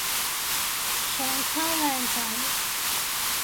想溝靚仔